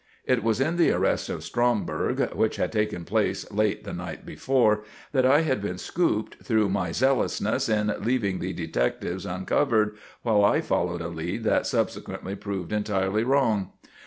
It was in the arrest of Stromberg, which had taken place late the night before, that I had been "scooped" through my zealousness in leaving the detectives uncovered while I followed a lead that subsequently proved entirely wrong.